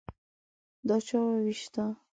_دا چا ووېشته؟